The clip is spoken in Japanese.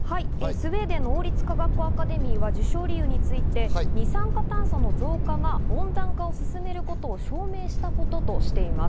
スウェーデンの王立科学アカデミーは授賞理由について二酸化炭素の増加が温暖化を進めることを証明したこととしています。